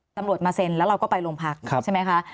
ตำรวจมาเซ็นแล้วเราก็ไปโรงพักใช่ไหมคะ